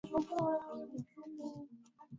ni kwamba Mto Amazon una mtiririko elfumoja miamoja